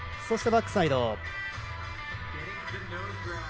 そしてバックサイド。